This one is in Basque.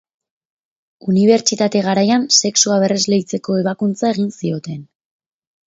Unibertsitate-garaian sexua berresleitzeko ebakuntza egin zioten.